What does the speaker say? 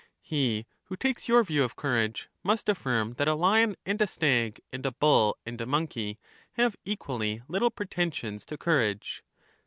He who takes your view of courage must affirm that a lion, and a stag, and a bull, and a monkey, have equally little pretensions to courage.